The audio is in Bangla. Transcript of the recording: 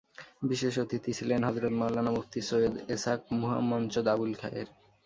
বিশেষ অতিথি ছিলেন হযরত মওলানা মুফতি সৈয়দ এছহাক মুহামঞ্চদ আবুল খায়ের।